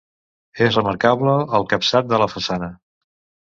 És remarcable el capçat de la façana.